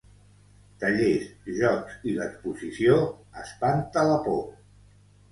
Tallers, jocs i l'exposició "Espanta la por!".